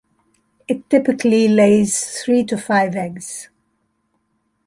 It typically lays three to five eggs.